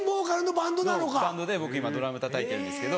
バンドで僕今ドラムたたいてるんですけど。